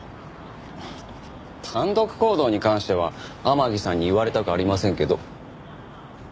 単独行動に関しては天樹さんに言われたくありませんけど。